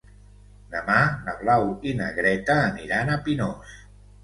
Demà na Blau i na Greta aniran a Pinós.